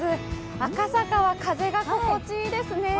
赤坂は風が心地いいですね。